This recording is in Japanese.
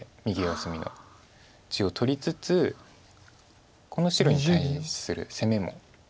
右上隅の地を取りつつこの白に対する攻めも。